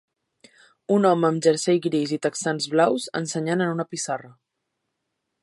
Un home amb jersei gris i texans blaus ensenyant en una pissarra.